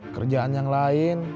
kerjaan yang lain